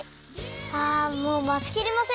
あもうまちきれません。